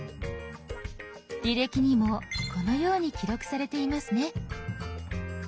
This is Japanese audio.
履歴にもこのように記録されていますね。